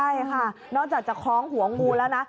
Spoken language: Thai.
ใช่ค่ะนอกจากจะคล้องหัวงูแล้วนะ